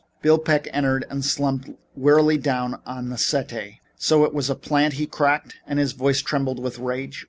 Bill Peck entered and slumped wearily down on the settee. "So it was a plant?" he cracked, and his voice trembled with rage.